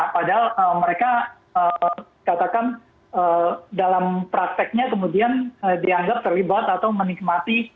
padahal mereka katakan dalam prakteknya kemudian dianggap terlibat atau menikmati